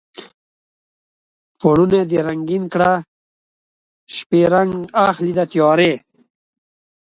پوړونی دې رنګین کړه شپې رنګ اخلي د تیارې